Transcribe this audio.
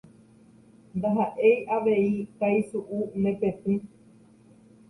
ndaha'éi avei taisu'u ne petỹ